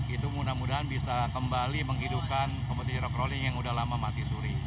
itu mudah mudahan bisa kembali menghidupkan kompetisi rock rolling yang sudah lama mati suri